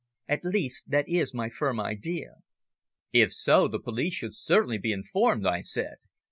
At least, that is my firm idea." "If so, the police should certainly be informed," I said.